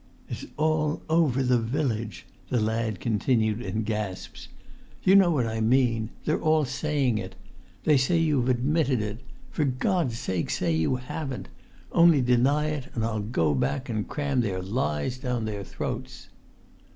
"It's all over the village," the lad continued in gasps. "You know what I mean. They're all saying it. They say you've admitted it; for God's sake say you haven't! Only deny it, and I'll go back and cram their lies down their throats!"